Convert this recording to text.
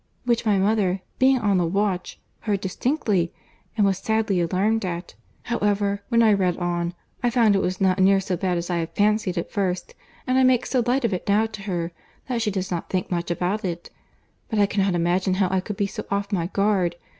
'—which my mother, being on the watch, heard distinctly, and was sadly alarmed at. However, when I read on, I found it was not near so bad as I had fancied at first; and I make so light of it now to her, that she does not think much about it. But I cannot imagine how I could be so off my guard.